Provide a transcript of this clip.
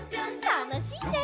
たのしいね。